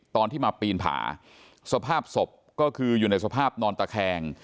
ตอนที่มาปีนผาสภาพศพก็คืออยู่ในสภาพนอนตะแคง